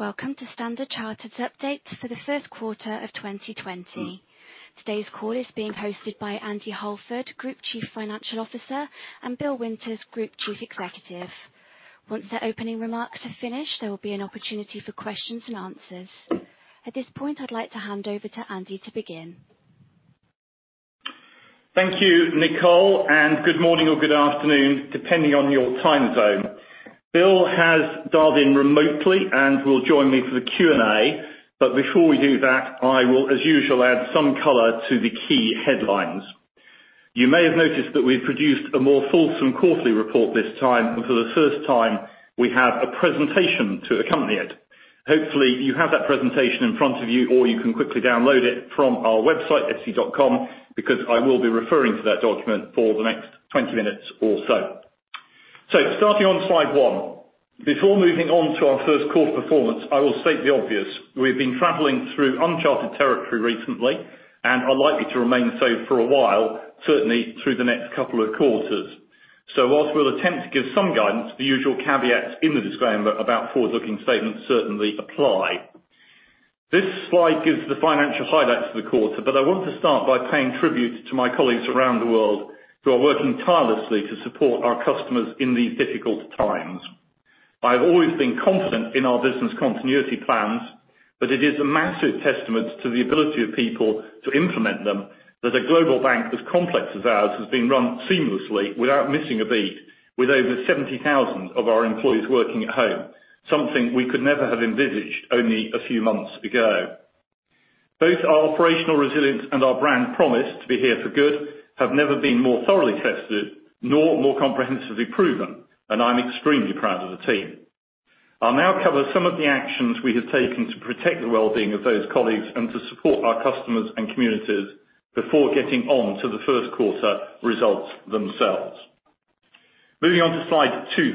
Welcome to Standard Chartered's update for the Q1 of 2020. Today's call is being hosted by Andy Halford, Group Chief Financial Officer, and Bill Winters, Group Chief Executive. Once their opening remarks are finished, there will be an opportunity for questions and answers. At this point, I'd like to hand over to Andy to begin. Thank you, Nicole. Good morning or good afternoon, depending on your time zone. Bill has dialed in remotely and will join me for the Q&A. Before we do that, I will, as usual, add some color to the key headlines. You may have noticed that we've produced a more fulsome quarterly report this time, and for the first time, we have a presentation to accompany it. Hopefully, you have that presentation in front of you, or you can quickly download it from our website, sc.com, because I will be referring to that document for the next 20 minutes or so. Starting on slide one, before moving on to our Q1 performance, I will state the obvious. We've been traveling through uncharted territory recently and are likely to remain so for a while, certainly through the next couple of quarters. Whilst we'll attempt to give some guidance, the usual caveats in the disclaimer about forward-looking statements certainly apply. This slide gives the financial highlights for the quarter, but I want to start by paying tribute to my colleagues around the world who are working tirelessly to support our customers in these difficult times. I've always been confident in our business continuity plans, but it is a massive testament to the ability of people to implement them that a global bank as complex as ours has been run seamlessly without missing a beat with over 70,000 of our employees working at home, something we could never have envisaged only a few months ago. Both our operational resilience and our brand promise to be here for good have never been more thoroughly tested, nor more comprehensively proven, and I'm extremely proud of the team. I'll now cover some of the actions we have taken to protect the well-being of those colleagues and to support our customers and communities before getting on to the Q1 results themselves. Moving on to slide two.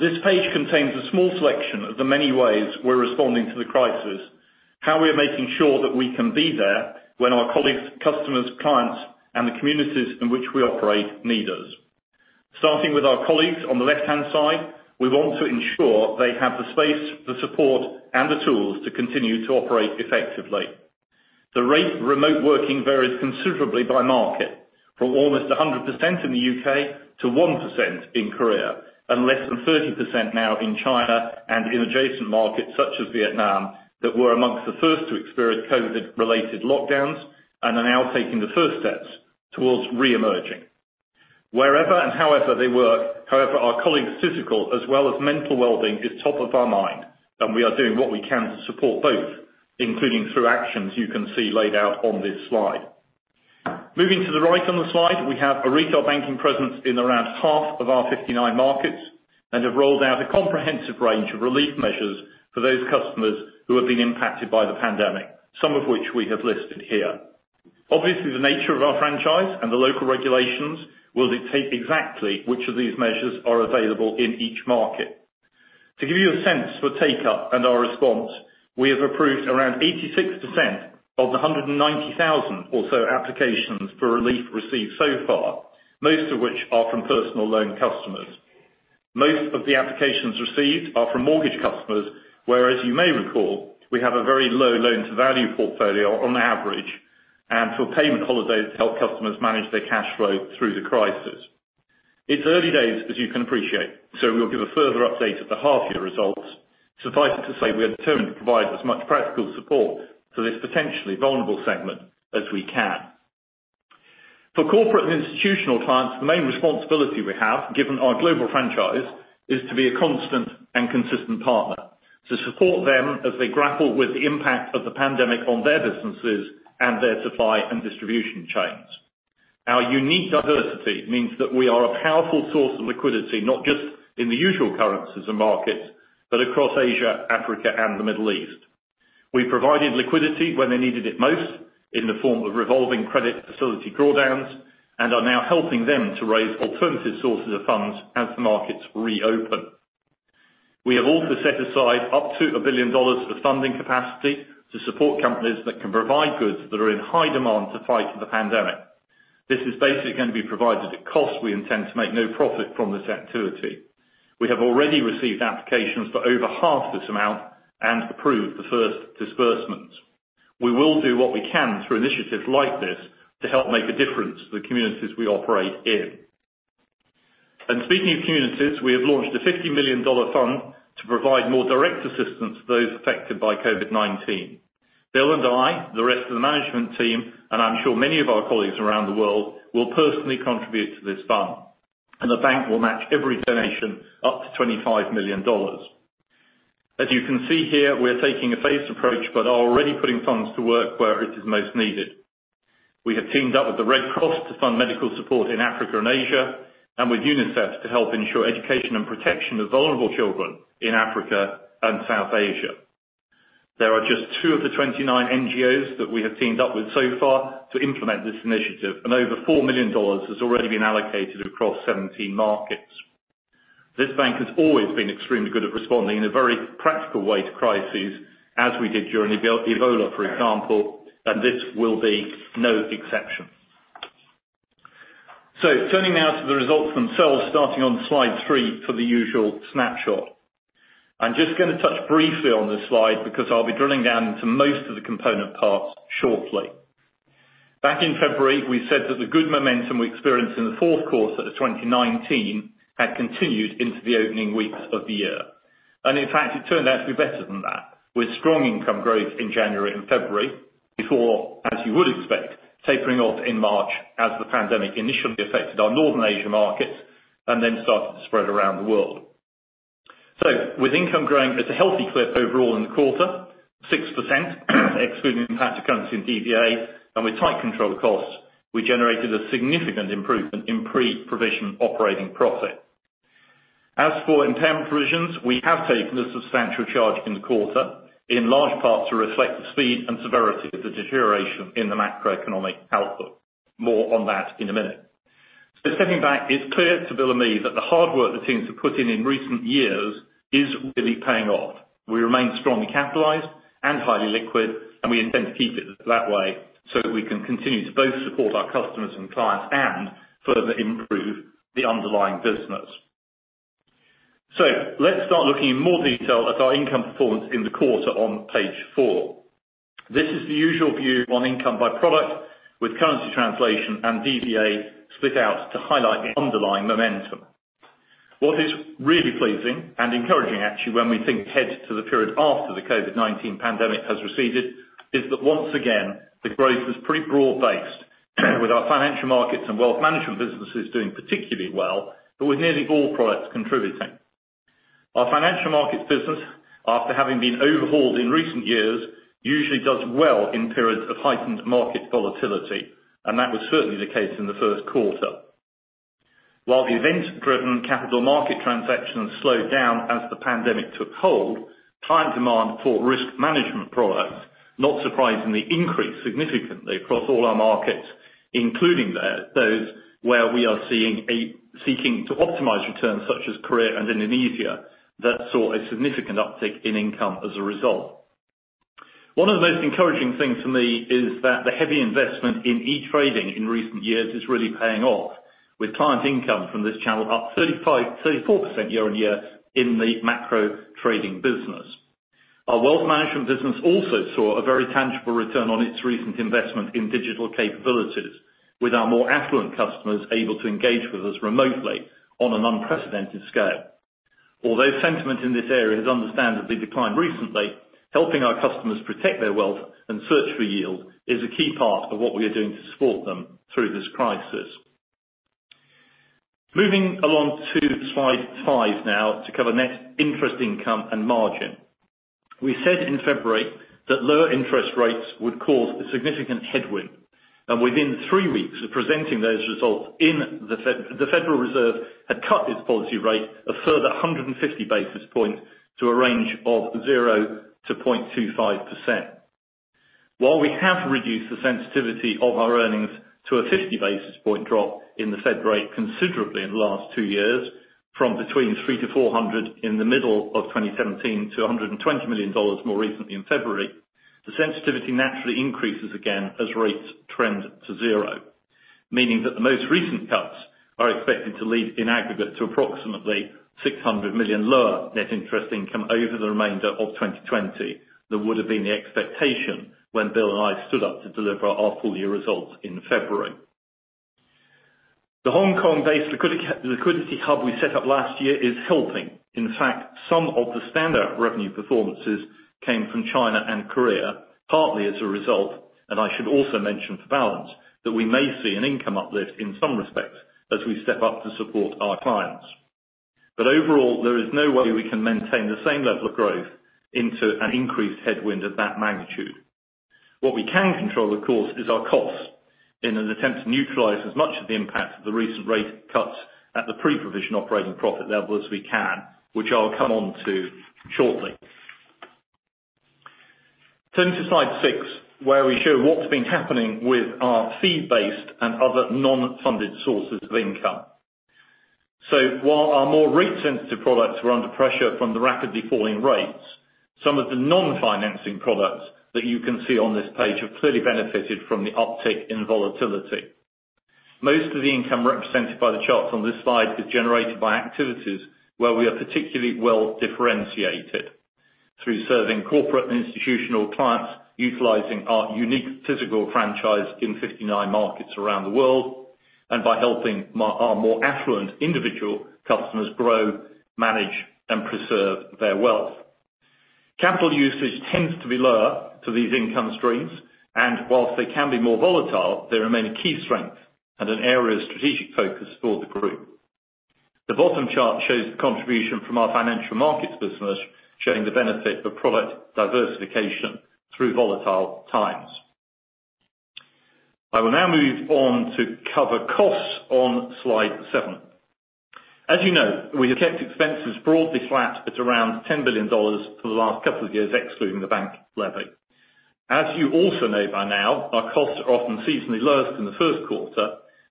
This page contains a small selection of the many ways we're responding to the crisis, how we are making sure that we can be there when our colleagues, customers, clients, and the communities in which we operate need us. Starting with our colleagues on the left-hand side, we want to ensure they have the space, the support, and the tools to continue to operate effectively. The rate of remote working varies considerably by market, from almost 100% in the U.K., to one percent in Korea, and less than 30% now in China and in adjacent markets such as Vietnam, that were amongst the first to experience COVID-related lockdowns and are now taking the first steps towards re-emerging. Wherever and however they work, however, our colleagues' physical as well as mental well-being is top of our mind, and we are doing what we can to support both, including through actions you can see laid out on this slide. Moving to the right on the slide, we have a retail banking presence in around half of our 59 markets and have rolled out a comprehensive range of relief measures for those customers who have been impacted by the pandemic, some of which we have listed here. Obviously, the nature of our franchise and the local regulations will dictate exactly which of these measures are available in each market. To give you a sense for take-up and our response, we have approved around 86% of the 190,000 or so applications for relief received so far, most of which are from personal loan customers. Most of the applications received are from mortgage customers, where as you may recall, we have a very low loan-to-value portfolio on average, and for payment holidays to help customers manage their cash flow through the crisis. It's early days, as you can appreciate, so we'll give a further update at the half year results. Suffice it to say, we are determined to provide as much practical support to this potentially vulnerable segment as we can. For corporate and institutional clients, the main responsibility we have, given our global franchise, is to be a constant and consistent partner to support them as they grapple with the impact of the pandemic on their businesses and their supply and distribution chains. Our unique diversity means that we are a powerful source of liquidity, not just in the usual currencies and markets, but across Asia, Africa, and the Middle East. We provided liquidity when they needed it most in the form of revolving credit facility drawdowns and are now helping them to raise alternative sources of funds as the markets reopen. We have also set aside up to $1 billion for funding capacity to support companies that can provide goods that are in high demand to fight the pandemic. This is basically going to be provided at cost. We intend to make no profit from this activity. We have already received applications for over half this amount and approved the first disbursements. We will do what we can through initiatives like this to help make a difference to the communities we operate in. Speaking of communities, we have launched a $50 million fund to provide more direct assistance to those affected by COVID-19. Bill and I, the rest of the management team, and I'm sure many of our colleagues around the world, will personally contribute to this fund, and the bank will match every donation up to $25 million. As you can see here, we're taking a phased approach but are already putting funds to work where it is most needed. We have teamed up with the Red Cross to fund medical support in Africa and Asia, and with UNICEF to help ensure education and protection of vulnerable children in Africa and South Asia. They are just two of the 29 NGOs that we have teamed up with so far to implement this initiative, and over $4 million has already been allocated across 17 markets. This bank has always been extremely good at responding in a very practical way to crises, as we did during Ebola, for example, and this will be no exception. Turning now to the results themselves, starting on slide three for the usual snapshot. I'm just going to touch briefly on this slide because I'll be drilling down into most of the component parts shortly. Back in February, we said that the good momentum we experienced in the Q4 of 2019 had continued into the opening weeks of the year. In fact, it turned out to be better than that, with strong income growth in January and February before, as you would expect, tapering off in March as the pandemic initially affected our Northern Asia markets and then started to spread around the world. With income growing at a healthy clip overall in the quarter, six percent excluding the impact of currency and DVA, and with tight control costs, we generated a significant improvement in pre-provision operating profit. As for impairment provisions, we have taken a substantial charge in the quarter, in large part to reflect the speed and severity of the deterioration in the macroeconomic output. More on that in a minute. Stepping back, it's clear to Bill and me that the hard work the teams have put in in recent years is really paying off. We remain strongly capitalized and highly liquid, and we intend to keep it that way so that we can continue to both support our customers and clients and further improve the underlying business. Let's start looking in more detail at our income performance in the quarter on page four. This is the usual view on income by product, with currency translation and DVA split out to highlight the underlying momentum. What is really pleasing and encouraging actually when we think ahead to the period after the COVID-19 pandemic has receded, is that once again, the growth is pretty broad-based, with our financial markets and wealth management businesses doing particularly well, but with nearly all products contributing. Our financial markets business, after having been overhauled in recent years, usually does well in periods of heightened market volatility, and that was certainly the case in the Q1. While the event-driven capital market transactions slowed down as the pandemic took hold, client demand for risk management products, not surprisingly, increased significantly across all our markets, including those where we are seeking to optimize returns, such as Korea and Indonesia, that saw a significant uptick in income as a result. One of the most encouraging things to me is that the heavy investment in e-trading in recent years is really paying off, with client income from this channel up 34% year on year in the macro trading business. Our wealth management business also saw a very tangible return on its recent investment in digital capabilities, with our more affluent customers able to engage with us remotely on an unprecedented scale. Although sentiment in this area has understandably declined recently, helping our customers protect their wealth and search for yield is a key part of what we are doing to support them through this crisis. Moving along to slide five now to cover net interest income and margin. Within three weeks of presenting those results, the Federal Reserve had cut its policy rate a further 150 basis points to a range of zero to 0.25%. While we have reduced the sensitivity of our earnings to a 50 basis point drop in the Fed rate considerably in the last two years, from between 300 - 400 in the middle of 2017 to $120 million more recently in February, the sensitivity naturally increases again as rates trend to zero. Meaning that the most recent cuts are expected to lead in aggregate to approximately $600 million lower net interest income over the remainder of 2020 than would have been the expectation when Bill and I stood up to deliver our full-year results in February. The Hong Kong-based liquidity hub we set up last year is helping. In fact, some of the standout revenue performances came from China and Korea, partly as a result. I should also mention for balance, that we may see an income uplift in some respects as we step up to support our clients. Overall, there is no way we can maintain the same level of growth into an increased headwind of that magnitude. What we can control, of course, is our cost in an attempt to neutralize as much of the impact of the recent rate cuts at the pre-provision operating profit level as we can, which I'll come on to shortly. Turning to slide six, where we show what's been happening with our fee-based and other non-funded sources of income. While our more rate-sensitive products were under pressure from the rapidly falling rates, some of the non-financing products that you can see on this page have clearly benefited from the uptick in volatility. Most of the income represented by the charts on this slide is generated by activities where we are particularly well differentiated through serving corporate and institutional clients, utilizing our unique physical franchise in 59 markets around the world, and by helping our more affluent individual customers grow, manage, and preserve their wealth. Capital usage tends to be lower to these income streams, and whilst they can be more volatile, they remain a key strength and an area of strategic focus for the group. The bottom chart shows the contribution from our financial markets business, showing the benefit of product diversification through volatile times. I will now move on to cover costs on slide seven. As you know, we have kept expenses broadly flat at around $10 billion for the last couple of years, excluding the bank levy. As you also know by now, our costs are often seasonally lowest in the Q1,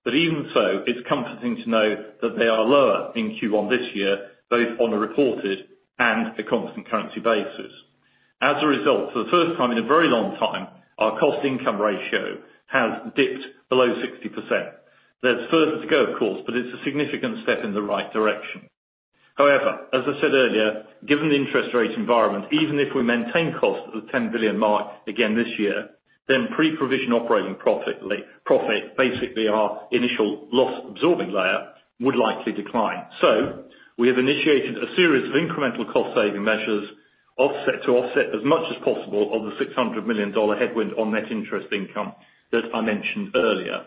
but even so, it's comforting to know that they are lower in Q1 this year, both on a reported and a constant currency basis. As a result, for the first time in a very long time, our cost income ratio has dipped below 60%. There's further to go, of course, but it's a significant step in the right direction. However, as I said earlier, given the interest rate environment, even if we maintain costs at the 10 billion mark again this year, pre-provision operating profit, basically our initial loss absorbing layer, would likely decline. We have initiated a series of incremental cost saving measures to offset as much as possible of the $600 million headwind on net interest income that I mentioned earlier.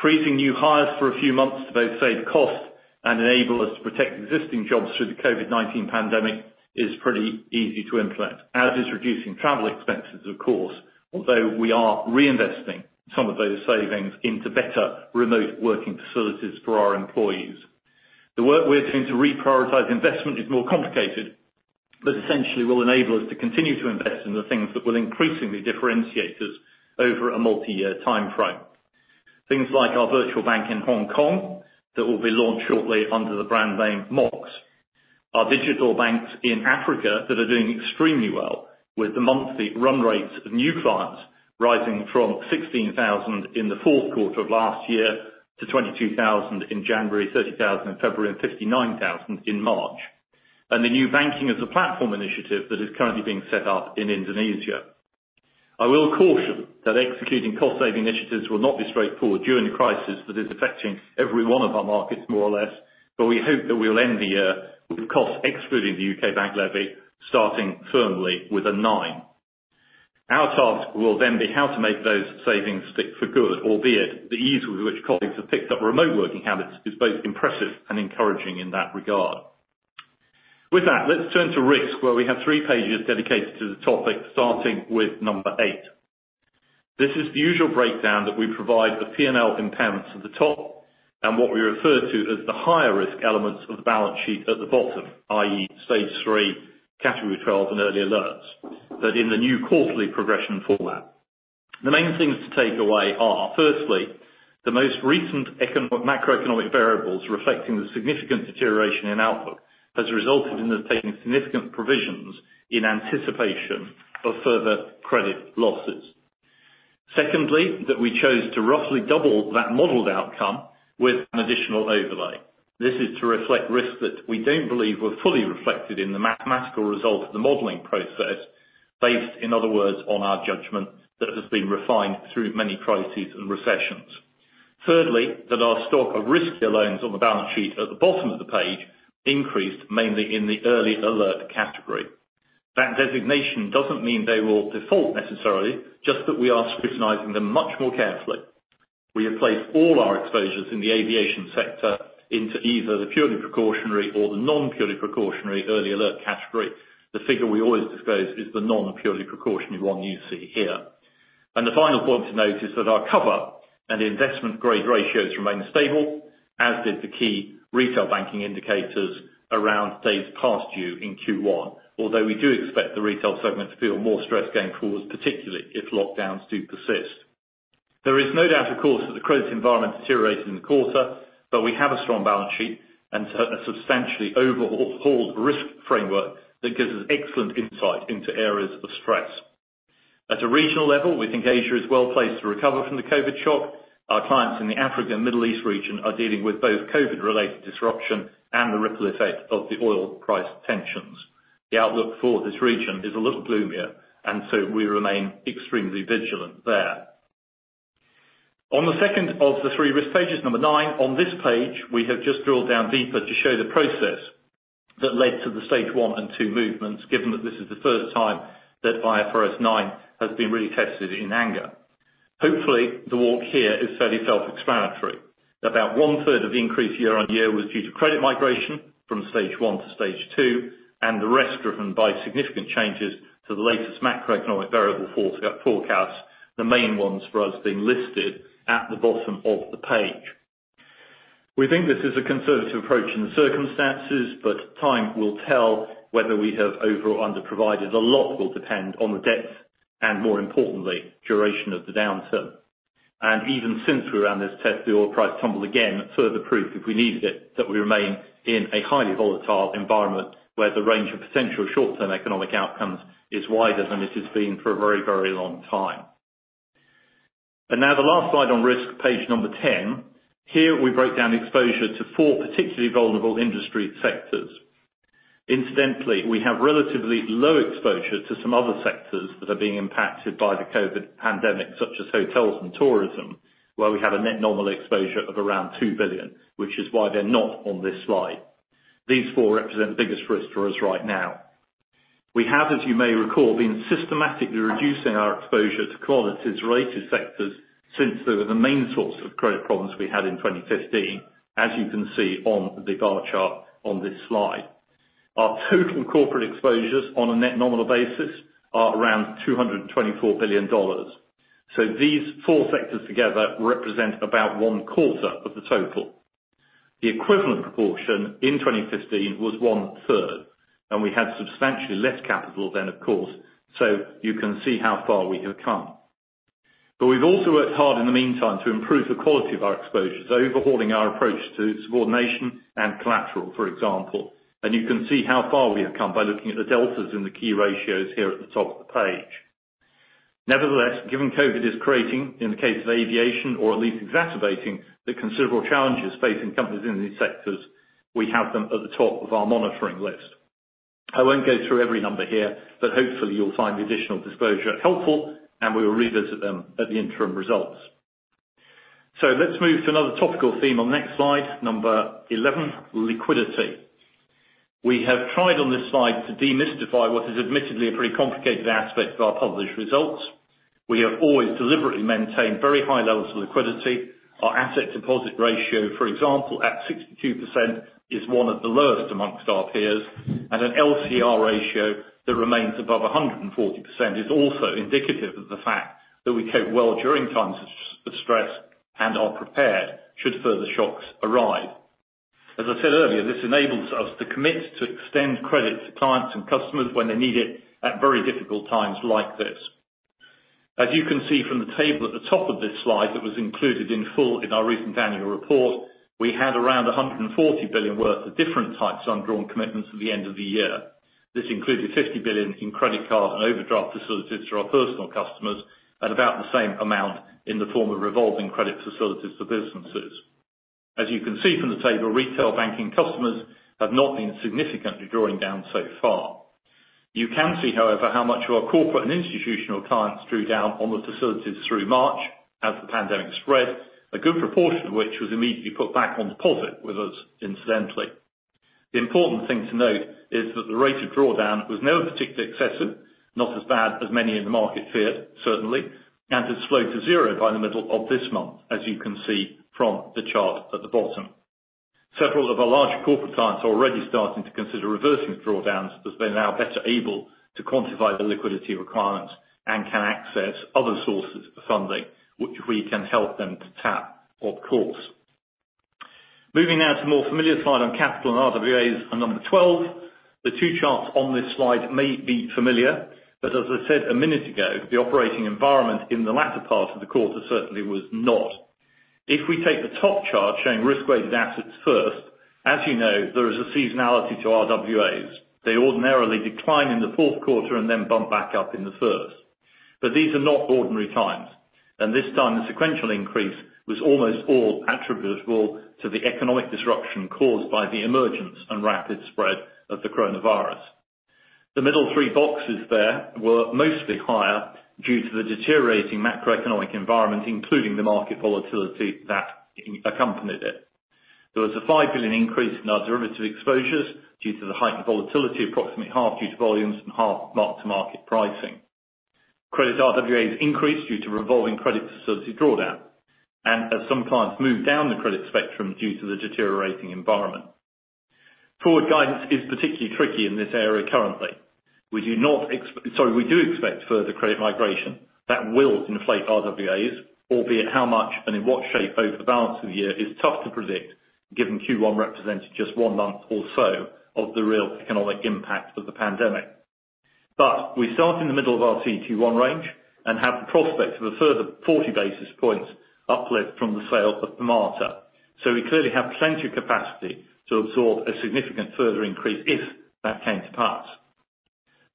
Freezing new hires for a few months to both save cost and enable us to protect existing jobs through the COVID-19 pandemic is pretty easy to implement, as is reducing travel expenses, of course, although we are reinvesting some of those savings into better remote working facilities for our employees. The work we are doing to reprioritize investment is more complicated, but essentially will enable us to continue to invest in the things that will increasingly differentiate us over a multi-year timeframe. Things like our virtual bank in Hong Kong that will be launched shortly under the brand name Mox. Our digital banks in Africa that are doing extremely well with the monthly run rates of new clients rising from 16,000 in the Q4 of last year to 22,000 in January, 30,000 in February, and 59,000 in March. The new Banking as a Platform Initiative that is currently being set up in Indonesia. I will caution that executing cost saving initiatives will not be straightforward during the crisis that is affecting every one of our markets more or less. We hope that we'll end the year with costs excluding the UK bank levy, starting firmly with a nine. Our task will be how to make those savings stick for good, albeit the ease with which colleagues have picked up remote working habits is both impressive and encouraging in that regard. With that, let's turn to risk, where we have three pages dedicated to the topic, starting with number eight. This is the usual breakdown that we provide the P&L components at the top, and what we refer to as the higher risk elements of the balance sheet at the bottom, i.e., stage three, category 12 and early alerts, in the new quarterly progression format. The main things to take away are, firstly, the most recent macroeconomic variables reflecting the significant deterioration in output has resulted in us taking significant provisions in anticipation of further credit losses. Secondly, that we chose to roughly double that modeled outcome with an additional overlay. This is to reflect risks that we don't believe were fully reflected in the mathematical result of the modeling process, based, in other words, on our judgment that has been refined through many crises and recessions. Thirdly, that our stock of riskier loans on the balance sheet at the bottom of the page increased mainly in the early alert category. That designation doesn't mean they will default necessarily, just that we are scrutinizing them much more carefully. We have placed all our exposures in the aviation sector into either the purely precautionary or the non-purely precautionary early alert category. The figure we always disclose is the non-purely precautionary one you see here. The final point to note is that our cover and investment grade ratios remain stable, as did the key retail banking indicators around days past due in Q1. Although we do expect the retail segment to feel more stress going forward, particularly if lockdowns do persist. There is no doubt, of course, that the credit environment deteriorated in the quarter, but we have a strong balance sheet and a substantially overhauled risk framework that gives us excellent insight into areas of stress. At a regional level, we think Asia is well-placed to recover from the COVID shock. Our clients in the Africa and Middle East region are dealing with both COVID related disruption and the ripple effect of the oil price tensions. The outlook for this region is a little gloomier, and so we remain extremely vigilant there. On the second of the three risk pages, number nine, on this page, we have just drilled down deeper to show the process that led to the Stage one and two movements, given that this is the first time that IFRS 9 has been really tested in anger. Hopefully, the walk here is fairly self-explanatory. About one third of the increase year-on-year was due to credit migration from Stage one - Stage two, and the rest driven by significant changes to the latest macroeconomic variable forecasts. The main ones for us being listed at the bottom of the page. We think this is a conservative approach in the circumstances, but time will tell whether we have over or under provided. A lot will depend on the depth and more importantly, duration of the downturn. Even since we ran this test, the oil price tumbled again, further proof if we needed it, that we remain in a highly volatile environment where the range of potential short-term economic outcomes is wider than it has been for a very long time. Now the last slide on risk, page number 10. Here we break down exposure to four particularly vulnerable industry sectors. Incidentally, we have relatively low exposure to some other sectors that are being impacted by the COVID pandemic, such as hotels and tourism, where we have a net nominal exposure of around 2 billion, which is why they're not on this slide. These four represent the biggest risk for us right now. We have, as you may recall, been systematically reducing our exposure to commodities-related sectors since they were the main source of credit problems we had in 2015, as you can see on the bar chart on this slide. Our total corporate exposures on a net nominal basis are around $224 billion. These four sectors together represent about one quarter of the total. The equivalent proportion in 2015 was one third, and we had substantially less capital then, of course, so you can see how far we have come. We've also worked hard in the meantime to improve the quality of our exposures, overhauling our approach to subordination and collateral, for example. You can see how far we have come by looking at the deltas in the key ratios here at the top of the page. Nevertheless, given COVID is creating, in the case of aviation, or at least exacerbating the considerable challenges facing companies in these sectors, we have them at the top of our monitoring list. I won't go through every number here, but hopefully you'll find the additional disclosure helpful, and we will revisit them at the interim results. Let's move to another topical theme on next slide, number 11, liquidity. We have tried on this slide to demystify what is admittedly a pretty complicated aspect of our published results. We have always deliberately maintained very high levels of liquidity. Our asset to deposit ratio, for example, at 62%, is one of the lowest amongst our peers. An LCR ratio that remains above 140% is also indicative of the fact that we cope well during times of stress and are prepared should further shocks arrive. As I said earlier, this enables us to commit to extend credit to clients and customers when they need it at very difficult times like this. As you can see from the table at the top of this slide that was included in full in our recent annual report, we had around $140 billion worth of different types of undrawn commitments at the end of the year. This included $50 billion in credit card and overdraft facilities for our personal customers, and about the same amount in the form of revolving credit facilities for businesses. As you can see from the table, retail banking customers have not been significantly drawing down so far. You can see, however, how much our corporate and institutional clients drew down on those facilities through March as the pandemic spread, a good proportion of which was immediately put back on deposit with us incidentally. The important thing to note is that the rate of drawdown was never particularly excessive, not as bad as many in the market feared, certainly, and has slowed to zero by the middle of this month, as you can see from the chart at the bottom. Several of our large corporate clients are already starting to consider reversing drawdowns as they're now better able to quantify the liquidity requirements and can access other sources of funding, which we can help them to tap, of course. Moving now to a more familiar slide on capital and RWAs on number 12. The two charts on this slide may be familiar, as I said a minute ago, the operating environment in the latter part of the quarter certainly was not. If we take the top chart showing risk-weighted assets first, as you know, there is a seasonality to RWAs. They ordinarily decline in the Q4 and then bump back up in the first. These are not ordinary times, and this time the sequential increase was almost all attributable to the economic disruption caused by the emergence and rapid spread of the coronavirus. The middle three boxes there were mostly higher due to the deteriorating macroeconomic environment, including the market volatility that accompanied it. There was a 5 billion increase in our derivative exposures due to the heightened volatility, approximately half due to volumes and half mark-to-market pricing. Credit RWAs increased due to revolving credit facility drawdown. As some clients moved down the credit spectrum due to the deteriorating environment. Forward guidance is particularly tricky in this area currently. We do expect further credit migration. That will inflate RWAs, albeit how much and in what shape over the balance of the year is tough to predict, given Q1 represented just one month or so of the real economic impact of the pandemic. We start in the middle of our CET1 range and have the prospect of a further 40 basis points uplift from the sale of Permata. We clearly have plenty of capacity to absorb a significant further increase if that came to pass.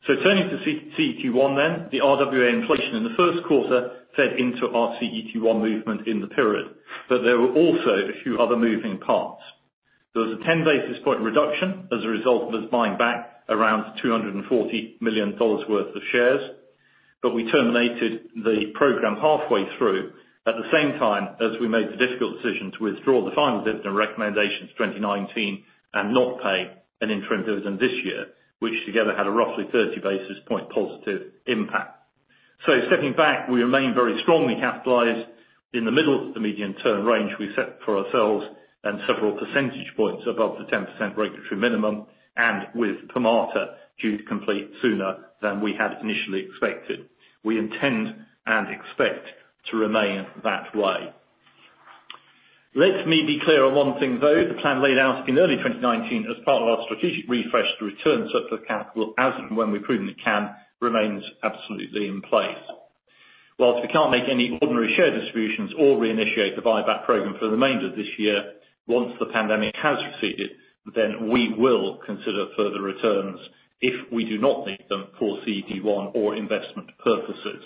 Turning to CET1 then, the RWA inflation in the Q1 fed into our CET1 movement in the period. There were also a few other moving parts. There was a 10 basis point reduction as a result of us buying back around $240 million worth of shares. We terminated the program halfway through at the same time as we made the difficult decision to withdraw the final dividend recommendations for 2019 and not pay an interim dividend this year, which together had a roughly 30 basis points positive impact. Stepping back, we remain very strongly capitalized in the middle of the medium-term range we set for ourselves and several percentage points above the 10% regulatory minimum, and with Permata due to complete sooner than we had initially expected. We intend and expect to remain that way. Let me be clear on one thing, though. The plan laid out in early 2019 as part of our strategic refresh to return surplus capital as and when we've proven we can, remains absolutely in place. Whilst we can't make any ordinary share distributions or reinitiate the buyback program for the remainder of this year, once the pandemic has receded, we will consider further returns if we do not need them for CET1 or investment purposes.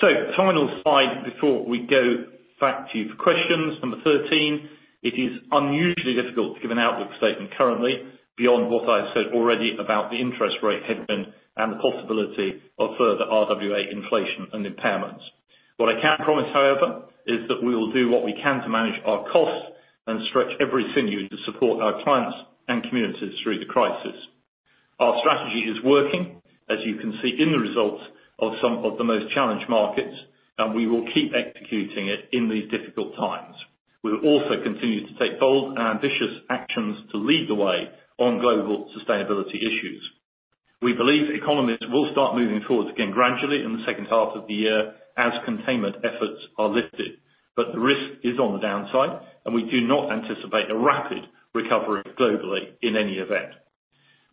Final slide before we go back to you for questions, number 13. It is unusually difficult to give an outlook statement currently beyond what I've said already about the interest rate headwind and the possibility of further RWA inflation and impairments. What I can promise, however, is that we will do what we can to manage our costs and stretch every sinew to support our clients and communities through the crisis. Our strategy is working, as you can see in the results of some of the most challenged markets, we will keep executing it in these difficult times. We will also continue to take bold and ambitious actions to lead the way on global sustainability issues. We believe economies will start moving forwards again gradually in the second half of the year as containment efforts are lifted. The risk is on the downside, and we do not anticipate a rapid recovery globally in any event.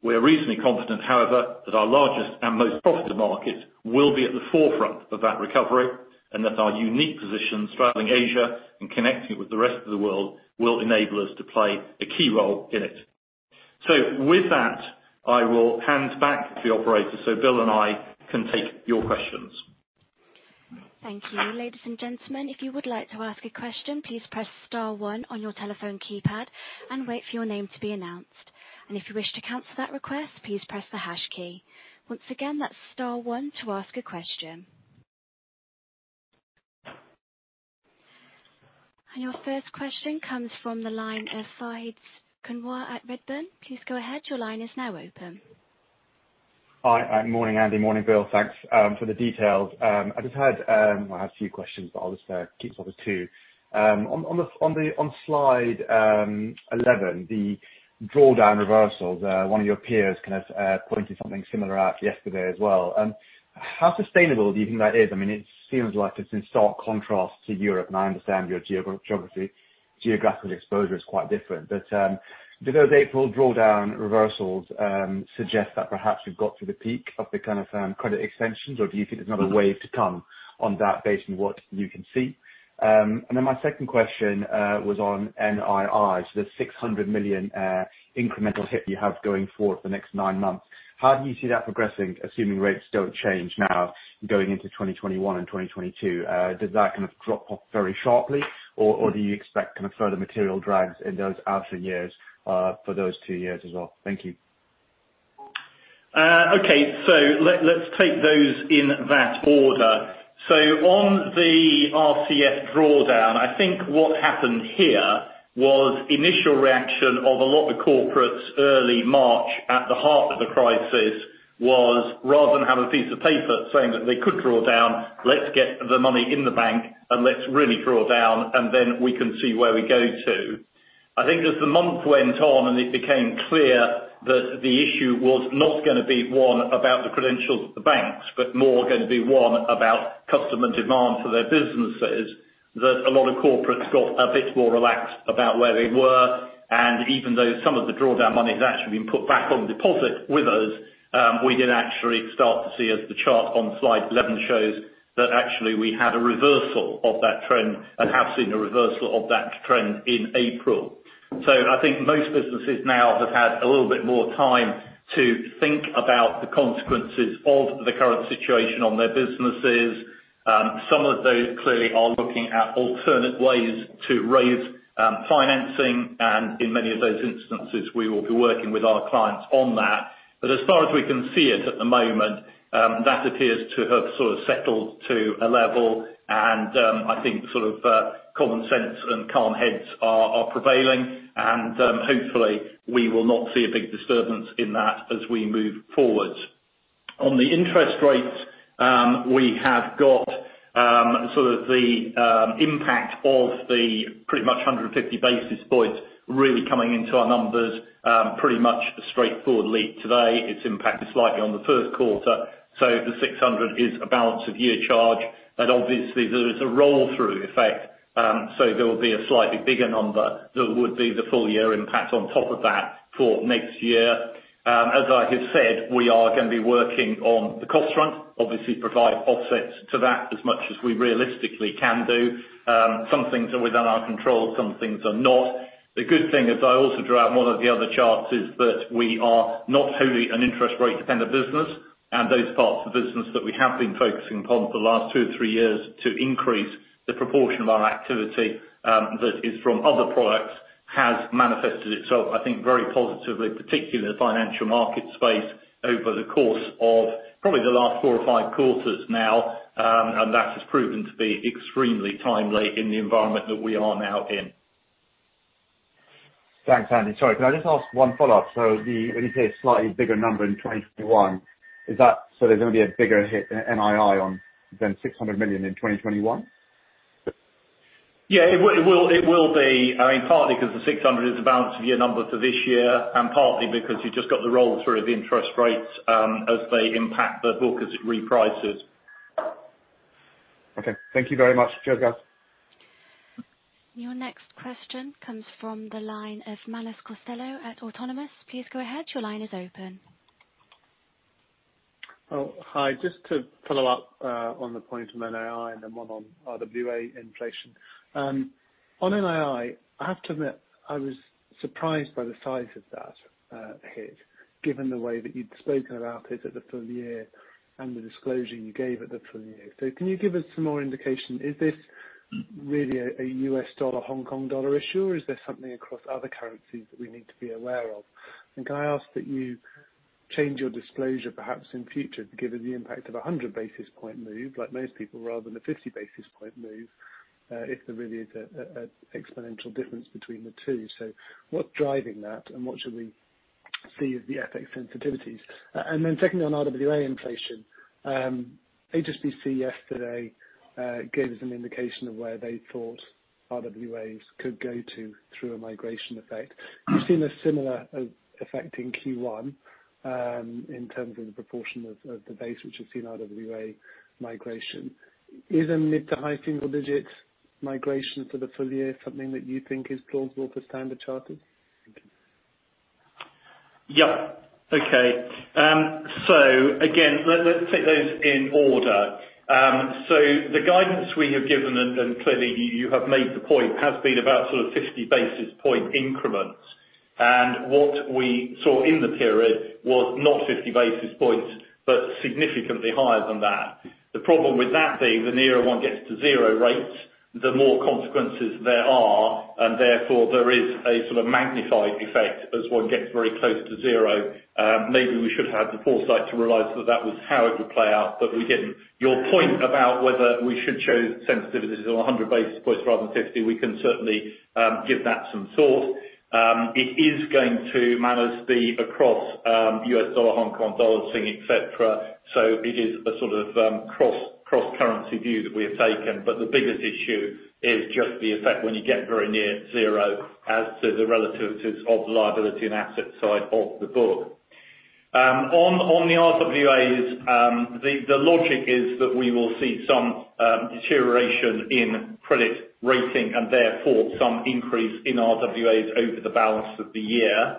We are reasonably confident, however, that our largest and most profitable markets will be at the forefront of that recovery, and that our unique position straddling Asia and connecting it with the rest of the world will enable us to play a key role in it. With that, I will hand back to the operator so Bill and I can take your questions. Thank you. Ladies and gentlemen, if you would like to ask a question, please press star one on your telephone keypad and wait for your name to be announced. If you wish to cancel that request, please press the hash key. Once again, that's star one to ask a question. Your first question comes from the line of Fahed Kunwar at Redburn. Please go ahead. Your line is now open. Hi. Morning, Andy. Morning, Bill. Thanks for the details. I have a few questions, but I'll just keep it to two. On slide 11, the drawdown reversal there, one of your peers kind of pointed something similar out yesterday as well. How sustainable do you think that is? It seems like it's in stark contrast to Europe, and I understand your geographical exposure is quite different. Do those April drawdown reversals suggest that perhaps we've got to the peak of the kind of credit extensions, or do you think there's another wave to come on that based on what you can see? My second question was on NIIs. The $600 million incremental hit you have going forward the next nine months. How do you see that progressing, assuming rates don't change now going into 2021 and 2022? Does that kind of drop off very sharply or, do you expect kind of further material drags in those outer years, for those two years as well? Thank you. Okay. Let's take those in that order. On the RCF drawdown, I think what happened here was initial reaction of a lot of the corporates early March at the heart of the crisis was rather than have a piece of paper saying that they could draw down, let's get the money in the bank and let's really draw down, and then we can see where we go to. I think as the month went on and it became clear that the issue was not gonna be one about the credentials of the banks, but more going to be one about customer demand for their businesses, that a lot of corporates got a bit more relaxed about where they were. Even though some of the drawdown money has actually been put back on deposit with us, we did actually start to see as the chart on slide 11 shows that actually we had a reversal of that trend and have seen a reversal of that trend in April. I think most businesses now have had a little bit more time to think about the consequences of the current situation on their businesses. Some of those clearly are looking at alternate ways to raise financing, and in many of those instances, we will be working with our clients on that. As far as we can see it at the moment, that appears to have sort of settled to a level and, I think sort of, common sense and calm heads are prevailing. Hopefully, we will not see a big disturbance in that as we move forward. On the interest rates, we have got sort of the impact of the pretty much 150 basis points really coming into our numbers, pretty much a straightforward leap today. It's impacted slightly on the Q1. The $600 is a balance of year charge. Obviously there is a roll-through effect, there will be a slightly bigger number that would be the full year impact on top of that for next year. As I have said, we are going to be working on the cost front, obviously provide offsets to that as much as we realistically can do. Some things are within our control, some things are not. The good thing as I also drew out on one of the other charts, is that we are not wholly an interest rate-dependent business. Those parts of the business that we have been focusing upon for the last two or three years to increase the proportion of our activity that is from other products has manifested itself, I think, very positively, particularly in the financial market space over the course of probably the last four or five quarters now. That has proven to be extremely timely in the environment that we are now in. Thanks, Andy. Sorry, can I just ask one follow-up? When you say a slightly bigger number in 2021, is that so there's going to be a bigger hit NII than $600 million in 2021? Yeah, it will be. Partly because the 600 is the balance of year number for this year, and partly because you've just got the roll-through of the interest rates as they impact the book as it reprices. Okay. Thank you very much. Cheers guys. Your next question comes from the line of Manus Costello at Autonomous. Please go ahead. Your line is open. Oh, hi. Just to follow up on the point of NII and then one on RWA inflation. On NII, I have to admit I was surprised by the size of that hit, given the way that you'd spoken about it at the full year and the disclosure you gave at the full year. Can you give us some more indication? Is this really a US dollar/Hong Kong dollar issue, or is there something across other currencies that we need to be aware of? Can I ask that you change your disclosure perhaps in future, given the impact of a 100 basis point move, like most people, rather than a 50 basis point move, if there really is a exponential difference between the two. What's driving that and what should we see as the FX sensitivities? Then secondly, on RWA inflation. HSBC yesterday gave us an indication of where they thought RWAs could go to through a migration effect. We've seen a similar effect in Q1, in terms of the proportion of the base which has seen RWA migration. It is a mid to high single digits. migration for the full year something that you think is plausible for Standard Chartered? Okay. Again, let's take those in order. The guidance we have given, and clearly you have made the point, has been about sort of 50 basis point increments. What we saw in the period was not 50 basis points, but significantly higher than that. The problem with that being the nearer one gets to zero rates, the more consequences there are, and therefore there is a sort of magnified effect as one gets very close to zero. Maybe we should have the foresight to realize that that was how it would play out, we didn't. Your point about whether we should show sensitivities of 100 basis points rather than 50, we can certainly give that some thought. It is going to manage the across U.S. dollar, HKD thing, et cetera, so it is a sort of cross-currency view that we have taken. The biggest issue is just the effect when you get very near zero as to the relativities of liability and asset side of the book. On the RWAs, the logic is that we will see some deterioration in credit rating and therefore some increase in RWAs over the balance of the year.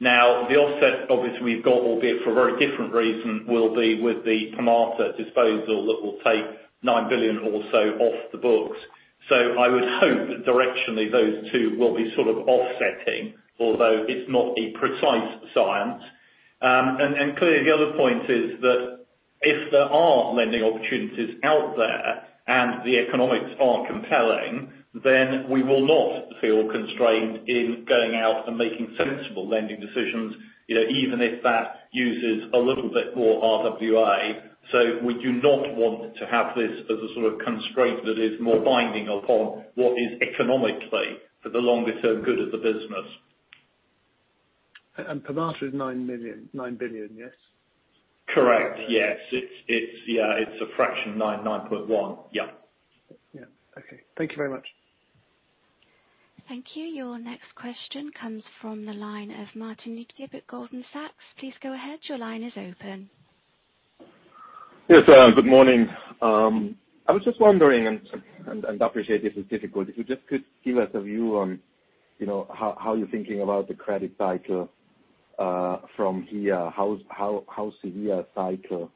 The offset obviously we've got, albeit for a very different reason, will be with the Permata disposal that will take $9 billion or so off the books. I would hope that directionally those two will be sort of offsetting, although it's not a precise science. Clearly the other point is that if there are lending opportunities out there and the economics are compelling, then we will not feel constrained in going out and making sensible lending decisions, even if that uses a little bit more RWA. We do not want to have this as a sort of constraint that is more binding upon what is economically for the longer term good of the business. Permata is $9 billion, yes? Correct. Yes. It's a fraction, 9.1. Yeah. Yeah. Okay. Thank you very much. Thank you. Your next question comes from the line of Martin Leitgeb at Goldman Sachs. Please go ahead. Your line is open. Yes. Good morning. I was just wondering, I appreciate this is difficult. If you just could give us a view on how you're thinking about the credit cycle from here. How severe a cycle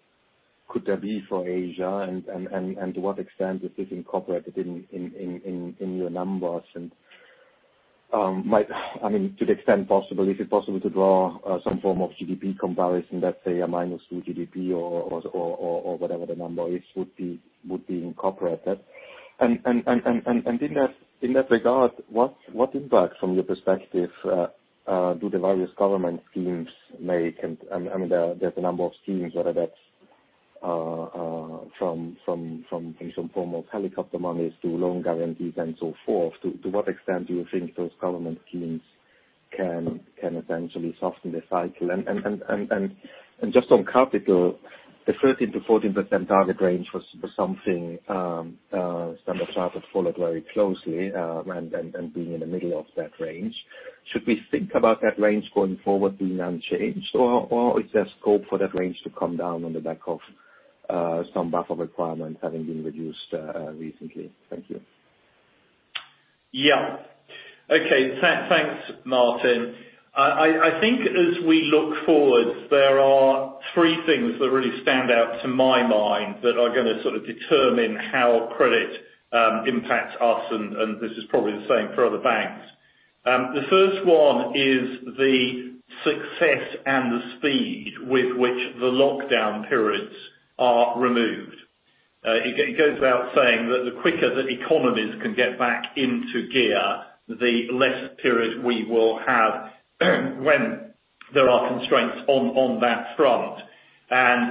could there be for Asia and to what extent is this incorporated in your numbers? To the extent possible, is it possible to draw some form of GDP comparison, let's say a minus two GDP or whatever the number is, would be incorporated? In that regard, what impact from your perspective do the various government schemes make? There's a number of schemes, whether that's from some form of helicopter monies to loan guarantees and so forth. To what extent do you think those government schemes can essentially soften the cycle? Just on capital, the 13%-14% target range was something Standard Chartered followed very closely and being in the middle of that range. Should we think about that range going forward being unchanged, or is there scope for that range to come down on the back of some buffer requirements having been reduced recently? Thank you. Yeah. Okay. Thanks, Martin. I think as we look forward, there are three things that really stand out to my mind that are going to determine how credit impacts us, and this is probably the same for other banks. The first one is the success and the speed with which the lockdown periods are removed. It goes without saying that the quicker that economies can get back into gear, the less period we will have when there are constraints on that front.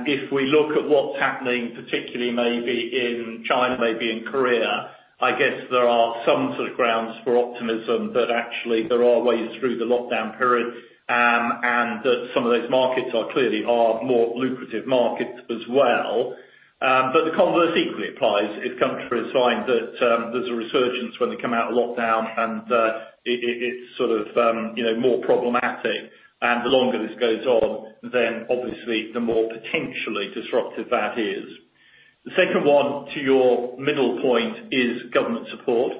If we look at what's happening, particularly maybe in China, maybe in Korea, I guess there are some sort of grounds for optimism that actually there are ways through the lockdown period, and that some of those markets are clearly more lucrative markets as well. The converse equally applies if countries find that there's a resurgence when they come out of lockdown and it's more problematic. The longer this goes on, then obviously the more potentially disruptive that is. The second one to your middle point is government support.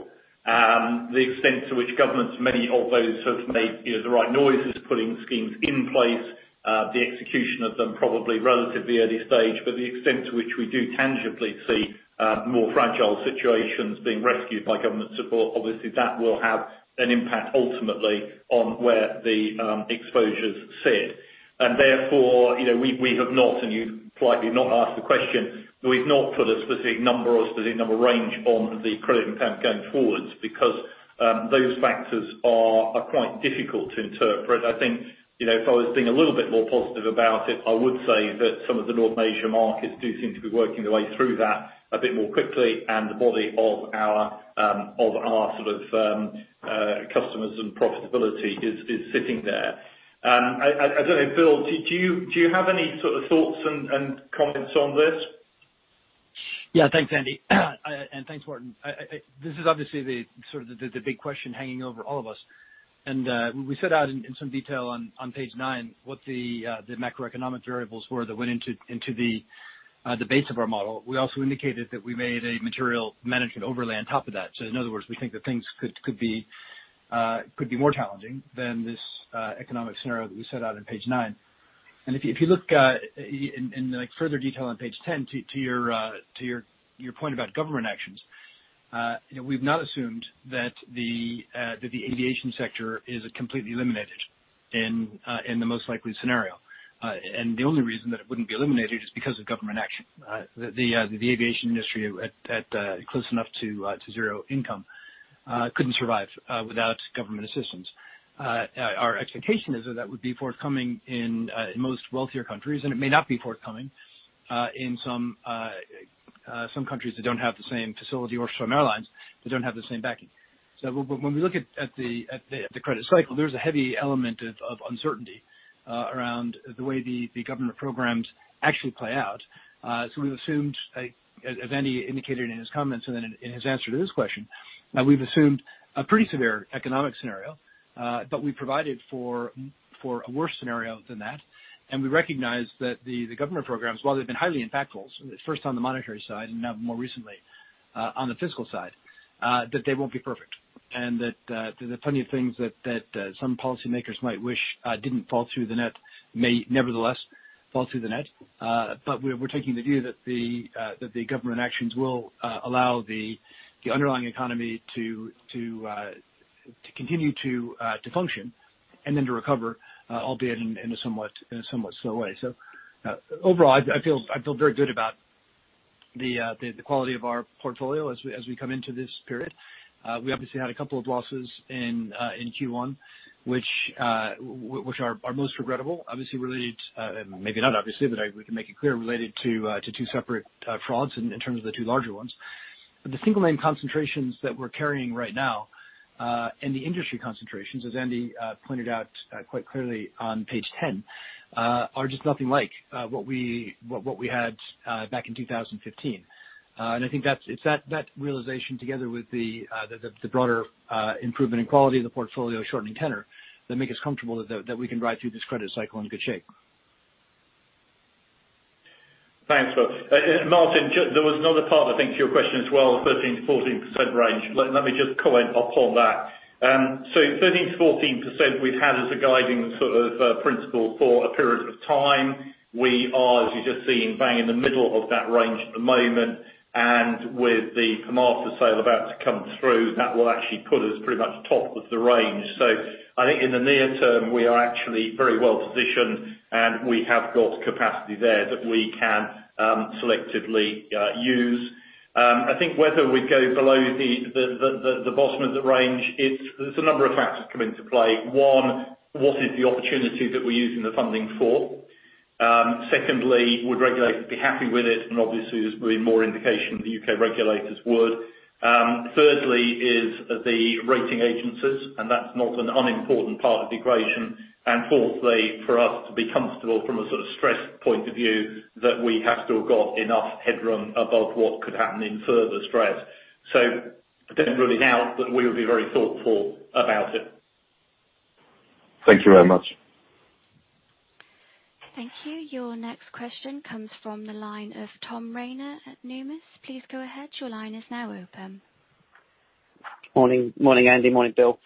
The extent to which governments, many of those have made the right noises putting schemes in place. The execution of them probably relatively early stage, but the extent to which we do tangibly see more fragile situations being rescued by government support, obviously that will have an impact ultimately on where the exposures sit. Therefore, we have not, and you've politely not asked the question, we've not put a specific number or a specific number range on the credit impact going forwards because those factors are quite difficult to interpret. I think if I was being a little bit more positive about it, I would say that some of the North Asia markets do seem to be working their way through that a bit more quickly, and the body of our sort of customers and profitability is sitting there. I don't know, Bill, do you have any sort of thoughts and comments on this? Yeah, thanks, Andy. Thanks, Martin. This is obviously the sort of the big question hanging over all of us. We set out in some detail on page nine what the macroeconomic variables were that went into the base of our model. We also indicated that we made a material management overlay on top of that. In other words, we think that things could be more challenging than this economic scenario that we set out on page nine. If you look in further detail on page 10, to your point about government actions. We've not assumed that the aviation sector is completely eliminated in the most likely scenario. The only reason that it wouldn't be eliminated is because of government action. The aviation industry at close enough to zero income, couldn't survive without government assistance. Our expectation is that that would be forthcoming in most wealthier countries, and it may not be forthcoming in some countries that don't have the same facility or some airlines that don't have the same backing. When we look at the credit cycle, there's a heavy element of uncertainty around the way the government programs actually play out. We've assumed, as Andy indicated in his comments and then in his answer to this question, that we've assumed a pretty severe economic scenario. We provided for a worse scenario than that. We recognize that the government programs, while they've been highly impactful, first on the monetary side and now more recently, on the physical side, that they won't be perfect. That there are plenty of things that some policymakers might wish didn't fall through the net may nevertheless fall through the net. We're taking the view that the government actions will allow the underlying economy to continue to function and then to recover, albeit in a somewhat slow way. Overall, I feel very good about the quality of our portfolio as we come into this period. We obviously had a couple of losses in Q1 which are most regrettable. Obviously related, maybe not obviously, but we can make it clear, related to two separate frauds in terms of the two larger ones. The single name concentrations that we're carrying right now, and the industry concentrations, as Andy pointed out quite clearly on page 10, are just nothing like what we had back in 2015. I think it's that realization together with the broader improvement in quality of the portfolio shortening tenor that make us comfortable that we can ride through this credit cycle in good shape. Thanks, Bill. Martin, there was another part, I think, to your question as well, the 13%-14% range. Let me just comment upon that. 13%-14% we've had as a guiding principle for a period of time. We are, as you just seen, bang in the middle of that range at the moment. With the Permata sale about to come through, that will actually put us pretty much top of the range. I think in the near term, we are actually very well positioned, and we have got capacity there that we can selectively use. I think whether we go below the bottom of the range, there's a number of factors come into play. One, what is the opportunity that we're using the funding for? Secondly, would regulators be happy with it? Obviously, there's been more indication that U.K. regulators would. Thirdly, is the rating agencies. That's not an unimportant part of the equation. Fourthly, for us to be comfortable from a sort of stress point of view that we have still got enough headroom above what could happen in further stress. I don't know really now, but we'll be very thoughtful about it. Thank you very much. Thank you. Your next question comes from the line of Tom Rayner at Numis. Please go ahead. Your line is now open. Morning, Andy. Morning, Bill.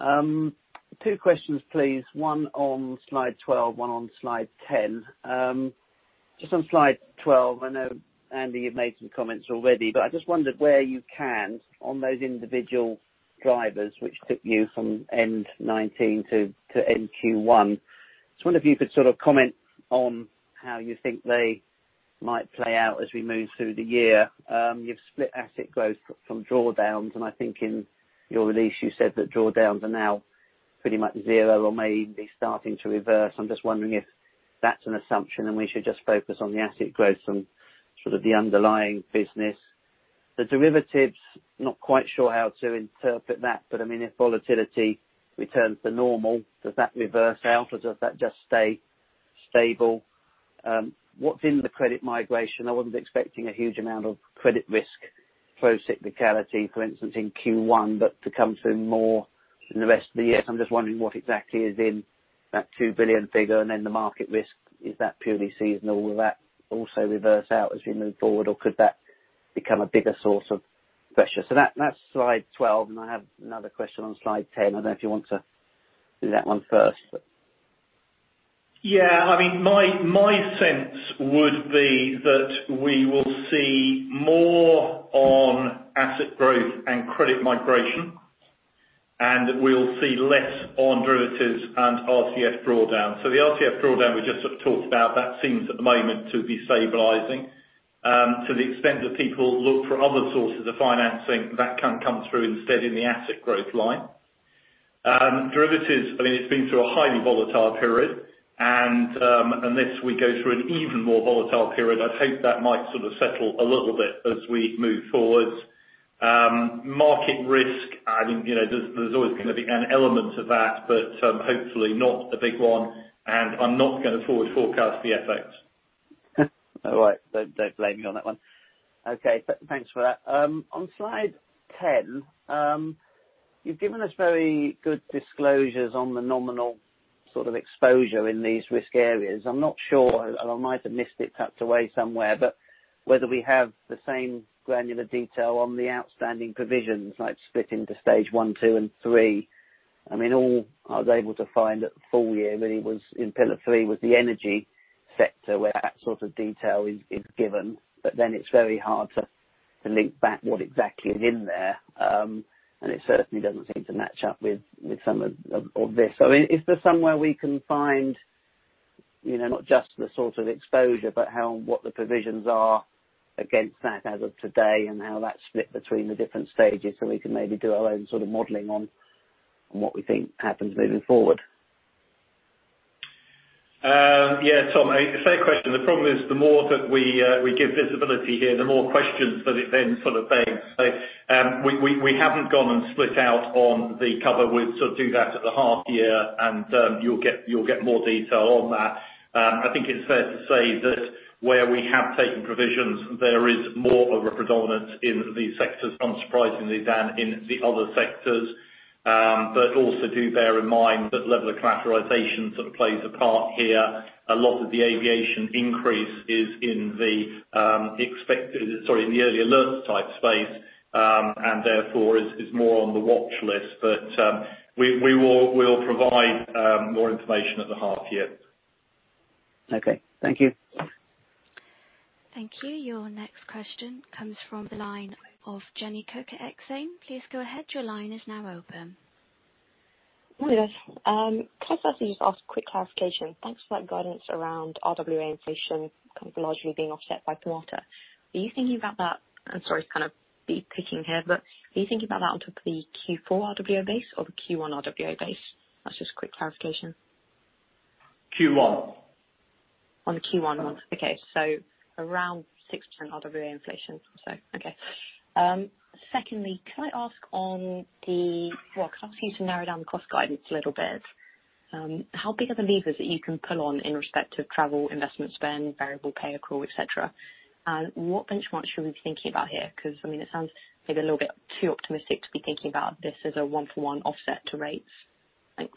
two questions, please. one on slide 12, one on slide 10. Just on slide 12, I know, Andy, you've made some comments already, but I just wondered where you can on those individual drivers which took you from end 2019 to end Q1. Just wonder if you could sort of comment on how you think they might play out as we move through the year. You've split asset growth from drawdowns, and I think in your release you said that drawdowns are now pretty much zero or may be starting to reverse. I'm just wondering if that's an assumption and we should just focus on the asset growth from sort of the underlying business. The derivatives, not quite sure how to interpret that, but I mean, if volatility returns to normal, does that reverse out or does that just stay stable? What's in the credit migration? I wasn't expecting a huge amount of credit risk pro cyclicality, for instance, in Q1, but to come through more in the rest of the year. I'm just wondering what exactly is in that 2 billion figure. The market risk, is that purely seasonal or will that also reverse out as we move forward? Could that become a bigger source of pressure? That's slide 12, and I have another question on slide 10. I don't know if you want to do that one first. Yeah. My sense would be that we will see more on asset growth and credit migration, and we will see less on derivatives and RCF drawdown. The RCF drawdown we just sort of talked about, that seems at the moment to be stabilizing. To the extent that people look for other sources of financing, that can come through instead in the asset growth line. Derivatives, I mean, it has been through a highly volatile period. Unless we go through an even more volatile period, I would hope that might sort of settle a little bit as we move forward. Market risk, there is always going to be an element of that, but hopefully not a big one. I am not going to forward forecast the effects. All right. Don't blame me on that one. Okay. Thanks for that. On slide 10, you've given us very good disclosures on the nominal exposure in these risk areas. I'm not sure, I might have missed it tucked away somewhere, but whether we have the same granular detail on the outstanding provisions, like split into Stage one, two, and three. All I was able to find at the full year really was in Pillar three, was the energy sector where that sort of detail is given. It's very hard to link back what exactly is in there. It certainly doesn't seem to match up with some of this. Is there somewhere we can find, not just the sort of exposure, but what the provisions are against that as of today and how that's split between the different stages so we can maybe do our own modeling on what we think happens moving forward? Yeah, Tom, fair question. The problem is the more that we give visibility here, the more questions that it then sort of begs. We haven't gone and split out on the cover. We'll do that at the half year and you'll get more detail on that. I think it's fair to say that where we have taken provisions, there is more of a predominance in these sectors, unsurprisingly, than in the other sectors. Also do bear in mind that level of collateralization sort of plays a part here. A lot of the aviation increase is in the expected, sorry, in the early alerts type space. Therefore, is more on the watch list. We will provide more information at the half year. Okay. Thank you. Thank you. Your next question comes from the line of Jenny Cooke at Exane. Please go ahead. Your line is now open. Morning. Can I first of you just ask a quick clarification? Thanks for that guidance around RWA inflation kind of largely being offset by Permata. Are you thinking about that, and sorry to kind of be picking here, but are you thinking about that on top of the Q4 RWA base or the Q1 RWA base? That's just a quick clarification. Q1. On the Q1. Okay. Around six percent RWA inflation. Okay. Secondly, can I ask you to narrow down the cost guidance a little bit? How big are the levers that you can pull on in respect of travel, investment spend, variable pay accrual, et cetera? What benchmarks should we be thinking about here? Because it sounds maybe a little bit too optimistic to be thinking about this as a one-for-one offset to rates. Thanks.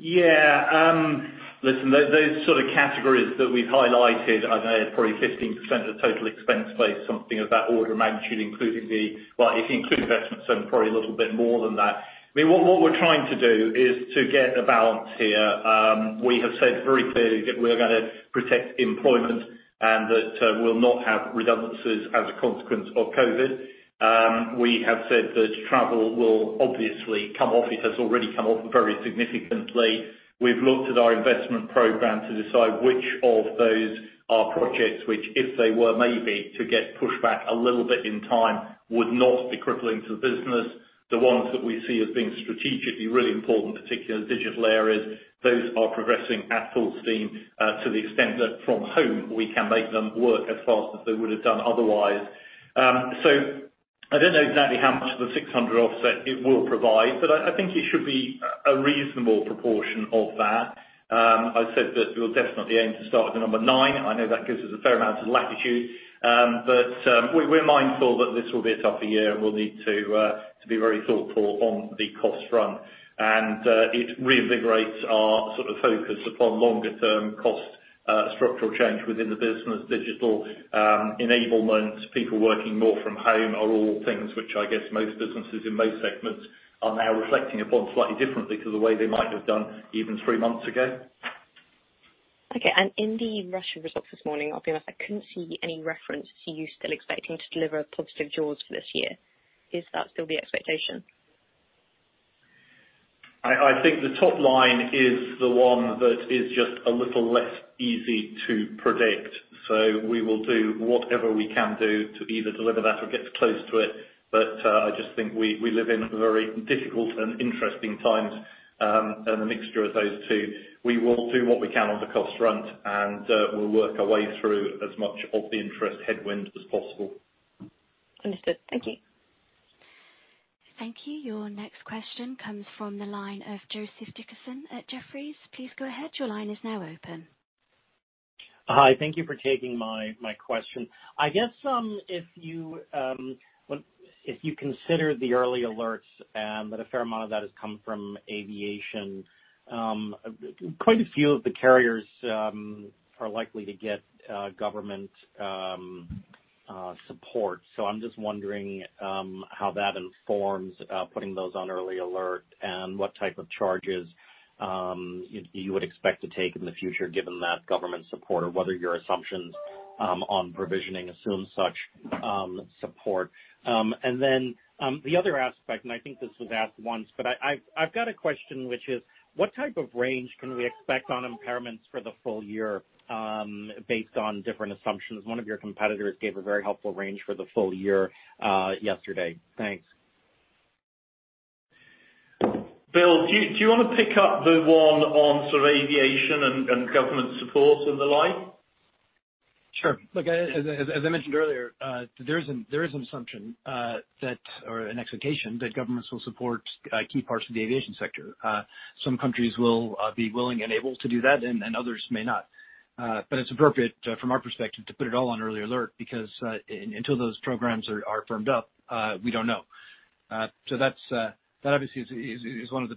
Yeah. Listen, those sort of categories that we've highlighted are probably 15% of the total expense base, something of that order of magnitude. Well, if you include investment spend, probably a little bit more than that. What we're trying to do is to get a balance here. We have said very clearly that we are going to protect employment and that we will not have redundancies as a consequence of COVID-19. We have said that travel will obviously come off. It has already come off very significantly. We've looked at our investment program to decide which of those are projects which, if they were maybe to get pushed back a little bit in time, would not be crippling to the business. The ones that we see as being strategically really important, particularly the digital areas, those are progressing at full steam, to the extent that from home we can make them work as fast as they would have done otherwise. I don't know exactly how much of the $600 offset it will provide, but I think it should be a reasonable proportion of that. I said that we'll definitely aim to start at the number nine. I know that gives us a fair amount of latitude. We're mindful that this will be a tougher year and we'll need to be very thoughtful on the cost run. It reinvigorates our sort of focus upon longer term cost structural change within the business. Digital enablement, people working more from home are all things which I guess most businesses in most segments are now reflecting upon slightly differently to the way they might have done even three months ago. Okay. In the Russia results this morning, I'll be honest, I couldn't see any reference to you still expecting to deliver positive jaws for this year. Is that still the expectation? I think the top line is the one that is just a little less easy to predict. We will do whatever we can do to either deliver that or get close to it. I just think we live in very difficult and interesting times, and a mixture of those two. We will do what we can on the cost front and we'll work our way through as much of the interest headwind as possible. Understood. Thank you. Thank you. Your next question comes from the line of Joseph Dickerson at Jefferies. Please go ahead. Your line is now open. Hi. Thank you for taking my question. I guess if you consider the early alerts, a fair amount of that has come from aviation. Quite a few of the carriers are likely to get government support. I'm just wondering how that informs putting those on early alert and what type of charges you would expect to take in the future given that government support or whether your assumptions on provisioning assume such support. The other aspect, I think this was asked once. I've got a question which is, what type of range can we expect on impairments for the full year based on different assumptions? One of your competitors gave a very helpful range for the full year yesterday. Thanks. Bill, do you want to pick up the one on sort of aviation and government support and the like? Sure. Look, as I mentioned earlier, there is an assumption that, or an expectation that governments will support key parts of the aviation sector. Some countries will be willing and able to do that and others may not. It's appropriate, from our perspective, to put it all on early alert because until those programs are firmed up, we don't know. That obviously is one of the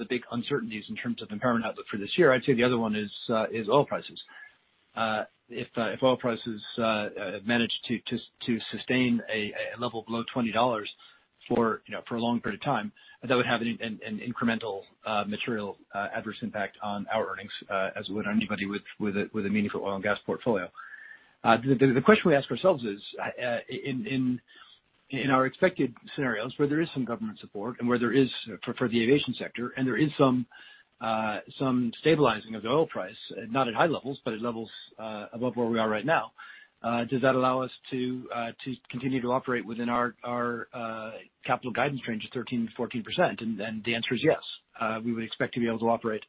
big uncertainties in terms of impairment outlook for this year. I'd say the other one is oil prices. If oil prices manage to sustain a level below $20 for a long period of time, that would have an incremental material adverse impact on our earnings as would anybody with a meaningful oil and gas portfolio. The question we ask ourselves is, in our expected scenarios where there is some government support for the aviation sector, and there is some stabilizing of the oil price, not at high levels, but at levels above where we are right now. Does that allow us to continue to operate within our capital guidance range of 13%-14%? The answer is yes. We would expect to be able to operate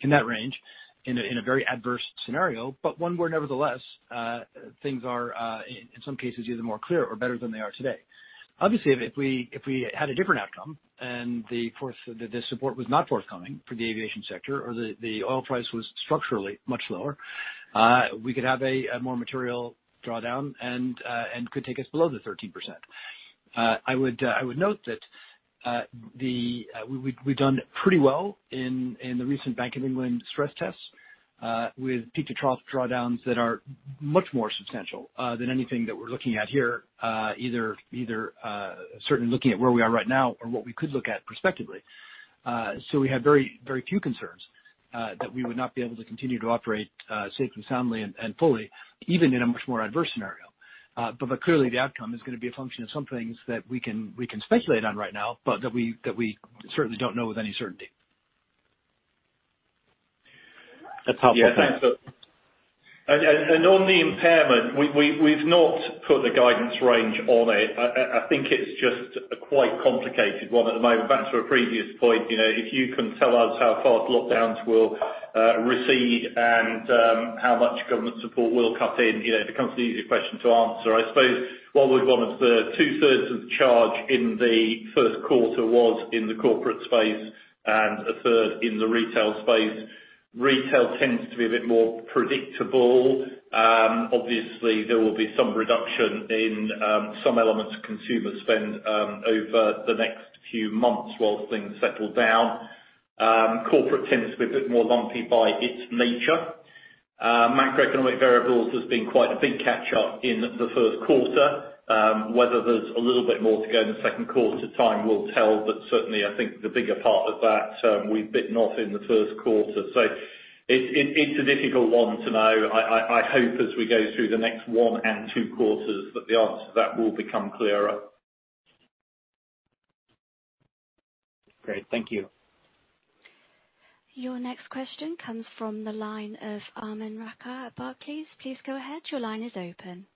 in that range in a very adverse scenario, but one where nevertheless, things are in some cases either more clear or better than they are today. If we had a different outcome and the support was not forthcoming for the aviation sector or the oil price was structurally much lower, we could have a more material drawdown and could take us below the 13%. I would note that we've done pretty well in the recent Bank of England stress tests with peak to trough drawdowns that are much more substantial than anything that we're looking at here, either certainly looking at where we are right now or what we could look at prospectively. So we have very few concerns that we would not be able to continue to operate safely, soundly, and fully, even in a much more adverse scenario. But clearly the outcome is going to be a function of some things that we can speculate on right now, but that we certainly don't know with any certainty. That's helpful. Thanks. On the impairment, we've not put the guidance range on it. I think it's just a quite complicated one at the moment. Back to a previous point, if you can tell us how fast lockdowns will recede and how much government support will cut in, it becomes an easier question to answer. I suppose what we'd want is the two-thirds of the charge in the Q1 was in the corporate space and a third in the retail space. Retail tends to be a bit more predictable. Obviously, there will be some reduction in some elements of consumer spend over the next few months whilst things settle down. Corporate tends to be a bit more lumpy by its nature. Macroeconomic variables has been quite a big catch up in the Q1. Whether there's a little bit more to go in the Q2, time will tell. Certainly, I think the bigger part of that we bit not in the Q2. It's a difficult one to know. I hope as we go through the next one and two quarters that the answer to that will become clearer. Great. Thank you. Your next question comes from the line of Amir Rakhit at Barclays. Please go ahead. Your line is open.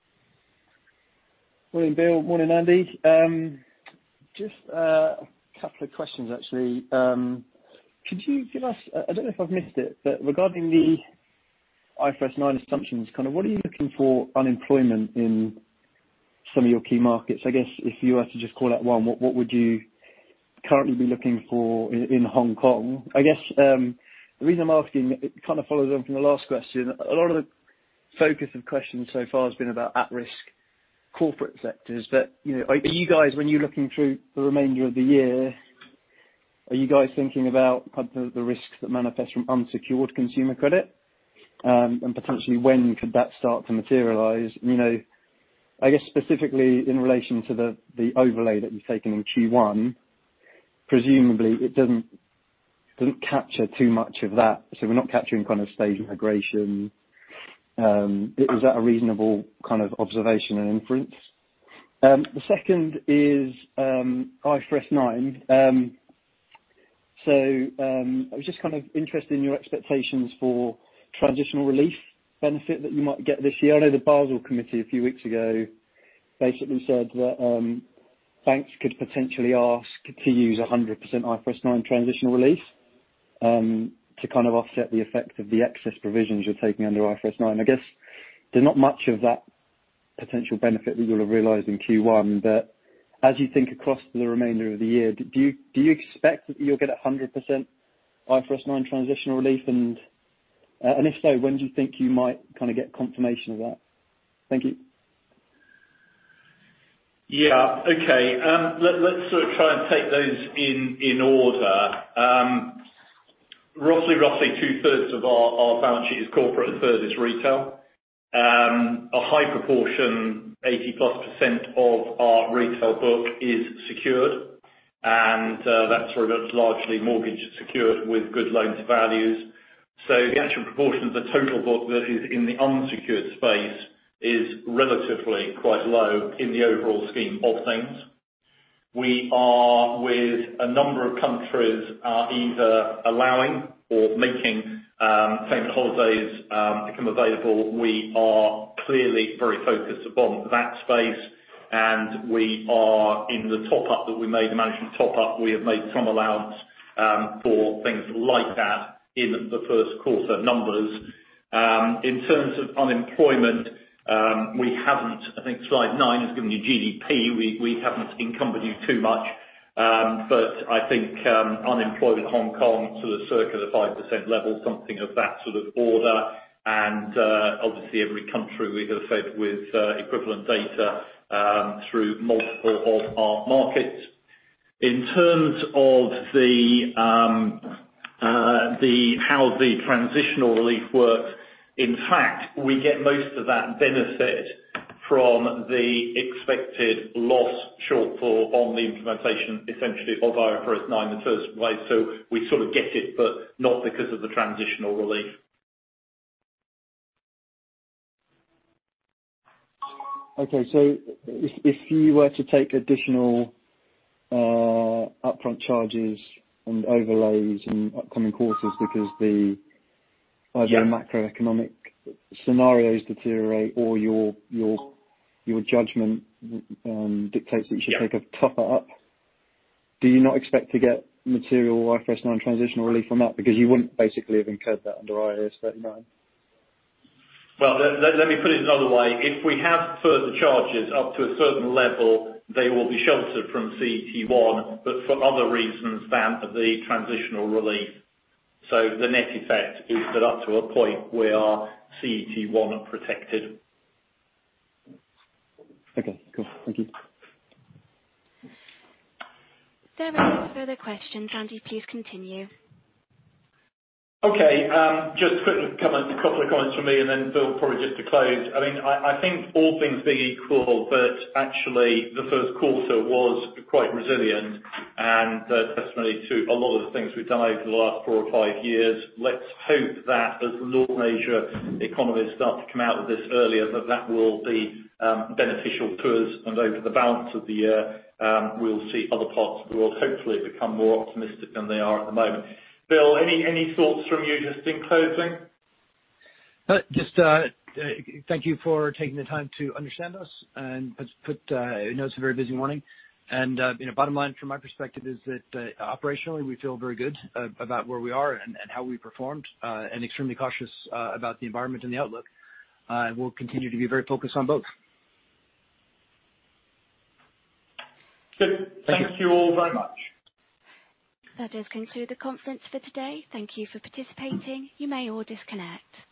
Morning, Bill. Morning, Andy. Just a couple of questions, actually. Could you give us, I don't know if I've missed it, but regarding the IFRS 9 assumptions kind of, what are you looking for unemployment in some of your key markets? I guess if you had to just call out one, what would you currently be looking for in Hong Kong? I guess the reason I'm asking, it kind of follows on from the last question. A lot of the focus of questions so far has been about at-risk corporate sectors. Are you guys, when you're looking through the remainder of the year, are you guys thinking about the risks that manifest from unsecured consumer credit? Potentially when could that start to materialize? I guess specifically in relation to the overlay that you've taken in Q1, presumably it doesn't capture too much of that, so we're not capturing kind of stage migration. Is that a reasonable kind of observation and inference? The second is IFRS 9. I was just kind of interested in your expectations for transitional relief benefit that you might get this year. I know the Basel Committee a few weeks ago basically said that banks could potentially ask to use 100% IFRS 9 transitional relief to kind of offset the effect of the excess provisions you're taking under IFRS 9. I guess there's not much of that potential benefit that you'll have realized in Q1. As you think across the remainder of the year, do you expect that you'll get 100% IFRS 9 transitional relief? If so, when do you think you might get confirmation of that? Thank you. Let's sort of try and take those in order. Roughly two-thirds of our balance sheet is corporate, a third is retail. A high proportion, 80%-plus of our retail book is secured, and that's largely mortgage secured with good loans values. The actual proportion of the total book that is in the unsecured space is relatively quite low in the overall scheme of things. We are with a number of countries, either allowing or making bank holidays become available. We are clearly very focused upon that space. We are in the top-up that we made, the management top-up, we have made some allowance for things like that in the first quarter numbers. In terms of unemployment, we haven't I think slide nine has given you GDP. We haven't encumbered you too much. I think unemployed in Hong Kong sort of circa the five percent level, something of that sort of order. Obviously every country we have faith with equivalent data through multiple of our markets. In terms of how the transitional relief works, in fact, we get most of that benefit from the expected loss shortfall on the implementation essentially of IFRS 9 in the first place. We sort of get it, but not because of the transitional relief. Okay. if you were to take additional upfront charges and overlays in upcoming quarters because the. Yeah Either macroeconomic scenarios deteriorate or your judgment dictates that you should take a tougher up, do you not expect to get material IFRS 9 transitional relief from that? Because you wouldn't basically have incurred that under IAS 39. Well, let me put it another way. If we have further charges up to a certain level, they will be sheltered from CET1, but for other reasons than the transitional relief. The net effect is that up to a point, we are CET1 protected. Okay, cool. Thank you. There are no further questions. Andy, please continue. Okay. Just a couple of comments from me and then Bill probably just to close. I think all things being equal, but actually the Q1 was quite resilient and a testimony to a lot of the things we've done over the last four or five years. Let's hope that as North Asia economies start to come out of this earlier, that that will be beneficial to us and over the balance of the year, we'll see other parts of the world hopefully become more optimistic than they are at the moment. Bill, any thoughts from you just in closing? Just thank you for taking the time to understand us. I know it's a very busy morning. Bottom line from my perspective is that operationally we feel very good about where we are and how we performed, and extremely cautious about the environment and the outlook. We'll continue to be very focused on both. Good. Thank you. Thank you all very much. That does conclude the conference for today. Thank you for participating. You may all disconnect.